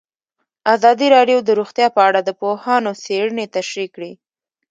ازادي راډیو د روغتیا په اړه د پوهانو څېړنې تشریح کړې.